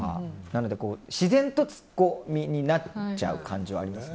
なので自然とツッコミになっちゃう感じはあります。